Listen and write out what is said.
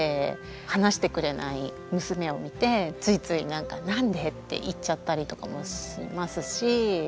話してくれない娘を見てついついなんかなんでって言っちゃったりとかもしますし。